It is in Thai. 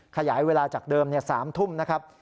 ขยายเวลาจากเดิม๓ทุ่มนะครับ